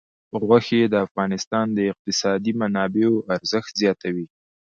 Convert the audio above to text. غوښې د افغانستان د اقتصادي منابعو ارزښت زیاتوي.